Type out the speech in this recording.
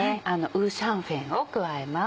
五香粉を加えます。